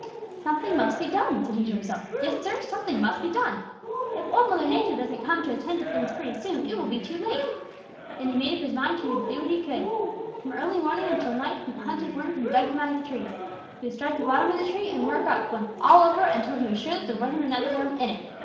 "'Something must be done,' said he to himself. 'Yes, Sir, something must be done. If Old Mother Nature doesn't come to attend to things pretty soon, it will be too late.' Then he made up his mind that he would do what he could. From early morning until night he hunted worms and dug them out of the trees. He would start at the bottom of a tree and work up, going all over it until he was sure that there wasn't another worm left.